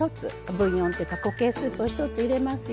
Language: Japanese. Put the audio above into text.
ブイヨンっていうか固形スープを１つ入れますよ。